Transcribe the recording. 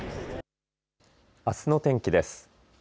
あすの天気です。